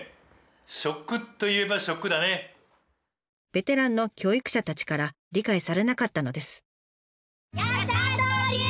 ベテランの教育者たちから理解されなかったのです。